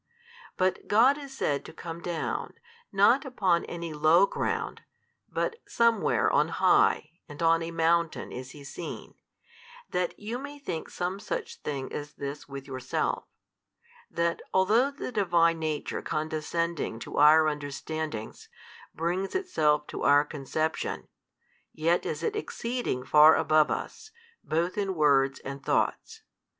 But God is said to come down, not upon any low ground, but somewhere on high and on a mountain is He seen, that you may think some such thing as this with yourself, that although the Divine Nature condescending to our understandings, brings Itself to our conception, yet is It exceeding far above us, both in words and thoughts.